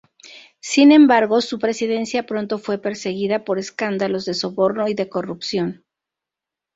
Sin embargo su presidencia pronto fue perseguida por escándalos de soborno y de corrupción.